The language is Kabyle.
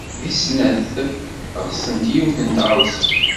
Deg snat ɣsent yiwet n tɣawsa.